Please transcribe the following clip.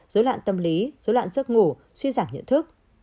dối loạn tâm lý dối loạn giấc ngủ suy giảm nhận thức